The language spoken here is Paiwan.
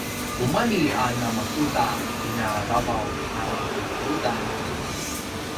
kumalji a namakuda kina vavaw na ludeludan